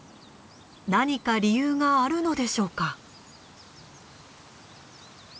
何か理由があるのでしょうか？